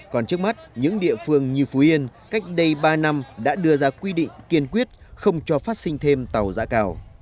còn trước mắt những địa phương như phú yên cách đây ba năm đã đưa ra quy định kiên quyết không cho phát sinh thêm tàu giã cào